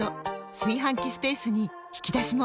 炊飯器スペースに引き出しも！